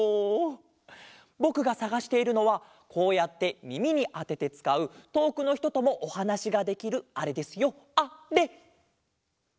ぼくがさがしているのはこうやってみみにあててつかうとおくのひとともおはなしができるあれですよあれ！